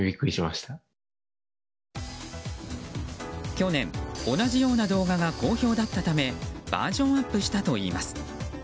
去年、同じような動画が好評だったためバージョンアップしたといいます。